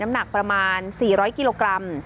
หนักประมาณ๔๐๐กิโลกรัม